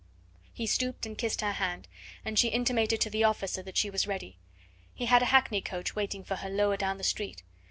He stooped and kissed her hand, and she intimated to the officer that she was ready. He had a hackney coach waiting for her lower down the street.